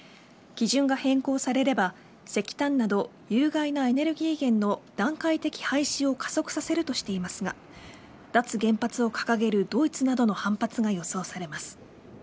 基準が変更されれば石炭など有害なエネルギー源の段階的廃止を加速させるとしていますが脱原発を掲げるドイツなどの反発が予想されます。